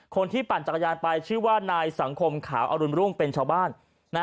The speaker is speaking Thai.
ปั่นจักรยานไปชื่อว่านายสังคมขาวอรุณรุ่งเป็นชาวบ้าน